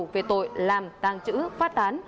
về tội làm tàng chữ phát tán